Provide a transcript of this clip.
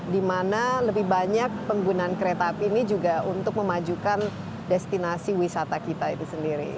dimana lebih banyak penggunaan kereta api ini juga untuk memajukan destinasi wisata kita itu sendiri